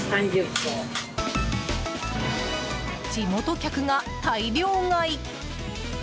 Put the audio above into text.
地元客が大量買い！